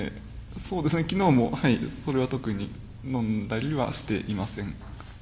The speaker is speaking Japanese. そうですね、きのうも、それは特に飲んだりはしていません。